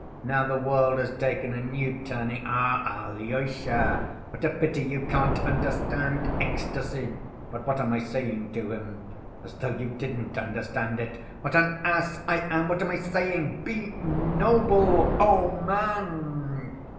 Now the world has taken a new turning. Ah, Alyosha, what a pity you can't understand ecstasy. But what am I saying to him? As though you didn't understand it. What an ass I am! What am I saying? 'Be noble, O man!